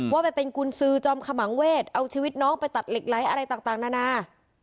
ว่าไปเป็นกุญสือจอมขมังเวศเอาชีวิตน้องไปตัดเหล็กไหลอะไรต่างนานา